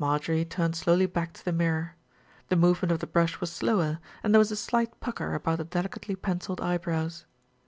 Marjorie turned slowly back to the mirror. The movement of the brush was slower, and there was a slight pucker about the delicately pencilled eyebrows.